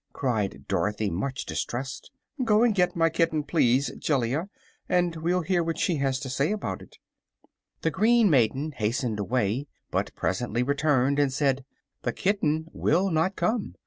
cried Dorothy, much distressed. "Go and get my kitten, please, Jellia, and we'll hear what she has to say about it." The green maiden hastened away, but presently returned and said: "The kitten will not come.